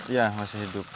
iya masih hidup